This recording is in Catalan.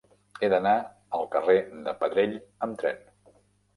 He d'anar al carrer de Pedrell amb tren.